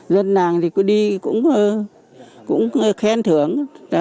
dân nàng đi cũng khen thưởng